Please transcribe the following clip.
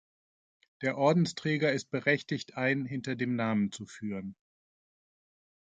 Der Ordensträger ist berechtigt ein hinter dem Namen zu führen.